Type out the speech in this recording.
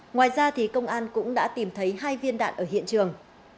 ngoài ra công an cũng đã tìm thấy hai viên đạn ở hiện trường